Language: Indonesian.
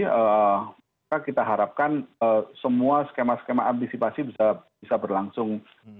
maka kita harapkan semua skema skema antisipasi bisa berlangsung